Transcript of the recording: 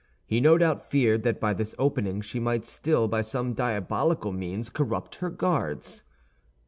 He no doubt feared that by this opening she might still by some diabolical means corrupt her guards.